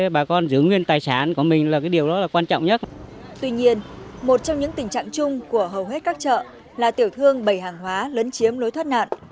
một trong những tình trạng chung của hầu hết các chợ là tiểu thương bầy hàng hóa lấn chiếm lối thoát nạn